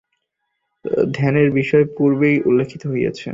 ধ্যানের বিষয় পূর্বেই উল্লিখিত হইয়াছে।